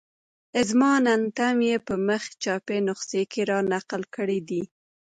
اظماننتم یې په مخ چاپي نسخه کې را نقل کړی دی.